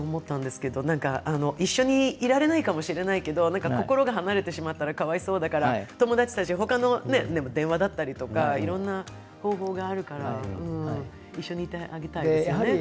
一緒にいられないかもしれないけど心が離れてしまったらかわいそうだから他のお友達が電話だったりいろんな方法があるので一緒にいてあげたいですね。